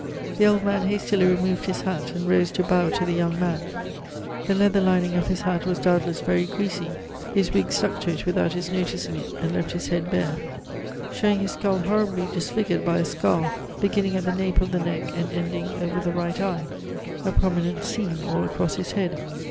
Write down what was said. The old man hastily removed his hat and rose to bow to the young man; the leather lining of his hat was doubtless very greasy; his wig stuck to it without his noticing it, and left his head bare, showing his skull horribly disfigured by a scar beginning at the nape of the neck and ending over the right eye, a prominent seam all across his head.